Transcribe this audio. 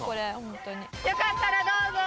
よかったらどうぞ！